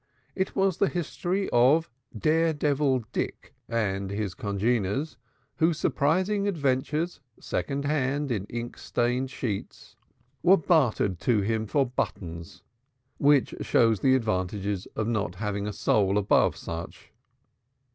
It was the history of Daredevil Dick and his congeners whose surprising adventures, second hand, in ink stained sheets, were bartered to him for buttons, which shows the advantages of not having a soul above such.